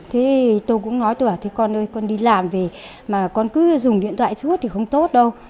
thế tôi cũng nói tỏa thế con ơi con đi làm về mà con cứ dùng điện thoại suốt thì không tốt đâu